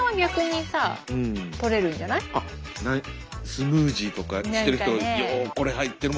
スムージーとかしてる人ようこれ入ってるもんね。